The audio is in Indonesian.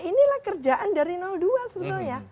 inilah kerjaan dari dua sebetulnya